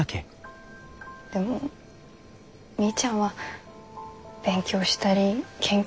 でもみーちゃんは勉強したり研究。